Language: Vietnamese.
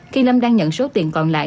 khi lâm đang nhận số tiền còn lại